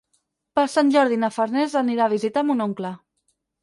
Per Sant Jordi na Farners anirà a visitar mon oncle.